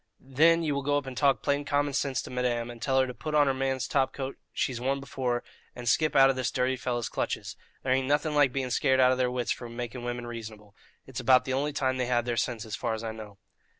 Then ye will go up and talk plain common sinse to madame, and tell her to put on her man's top coat she's worn before, and skip out of this dirty fellow's clutches. There ain't nothing like being scared out of their wits for making women reasonable it's about the only time they have their sinses, so far as I know."